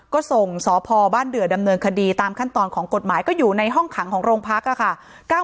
ก็ส่งสพบ้านเดือดำเนินคดีตามขั้นตอนของกฎหมายก็อยู่ในห้องขังของโรงพักค่ะ